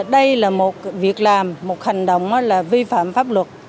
đây là một việc làm một hành động là vi phạm pháp luật